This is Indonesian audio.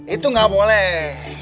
itu gak boleh